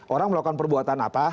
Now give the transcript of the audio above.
orang melakukan perbuatan apa